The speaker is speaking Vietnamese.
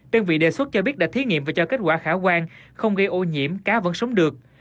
đơn vị đề xuất cho biết đã thí nghiệm và cho kết quả khả quan không gây ô nhiễm cá vẫn sống được